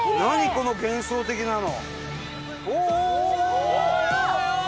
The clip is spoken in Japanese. この幻想的なの！